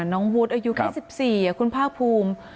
วุฒิอายุแค่๑๔คุณภาคภูมิ